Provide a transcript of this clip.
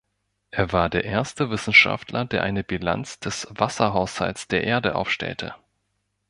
Er war der erste Wissenschaftler, der eine Bilanz des Wasserhaushalts der Erde aufstellte.